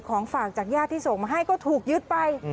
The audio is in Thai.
ของฝากจากญาติที่ส่งมาให้ก็ถูกยึดไป